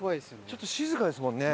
ちょっと静かですもんね。